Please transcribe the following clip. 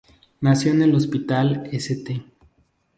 Nació en el Hospital St.